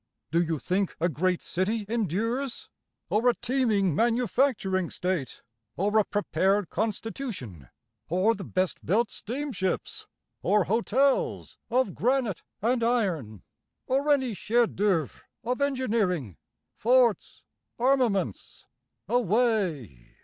Do you think a great city endures? Or a teeming manufacturing state? or a prepared constitution? or the best built steamships? Or hotels of granite and iron? or any chef d'oeuvres of engineering, forts, armaments? Away!